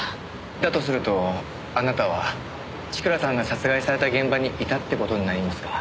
だとするとあなたは千倉さんが殺害された現場にいたって事になりますが。